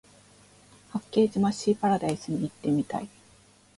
八景島シーパラダイスに行ってみたい